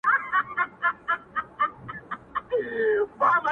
o چي هغه ستا سيورى له مځكي ورك سو.